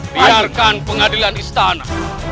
biarkan pengadilan istana